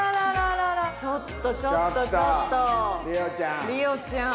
ちょっとちょっとちょっと莉桜ちゃん。